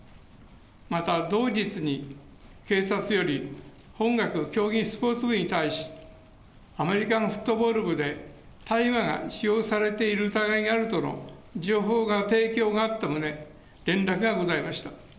また同日に警察より本学競技スポーツ部に対し、アメリカンフットボール部で大麻が使用されている疑いがあるとの情報が提供があった旨、連絡がございました。